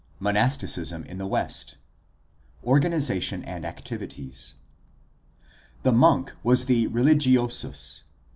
MONASTICISM IN THE WEST Organization and activities. — The monk was the religiosus.